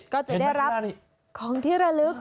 ก็จะได้รับของที่ระลึก